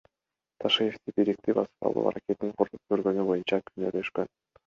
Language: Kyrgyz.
Ташиевди бийликти басып алуу аракетин көргөнү боюнча күнөөлөшкөн.